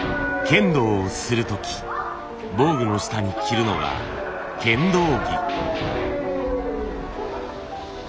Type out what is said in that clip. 剣道をする時防具の下に着るのが剣道着。